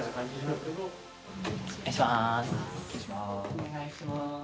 お願いします。